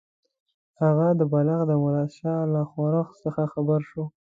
هغه د بلخ د مراد شاه له ښورښ څخه خبر شو.